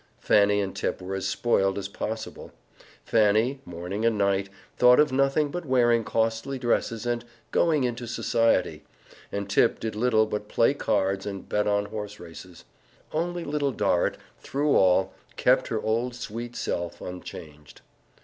'" Fanny and Tip were as spoiled as possible. Fanny, morning and night, thought of nothing but wearing costly dresses and "going into society," and Tip did little but play cards and bet on horse races. Only Little Dorrit, through all, kept her old sweet self unchanged.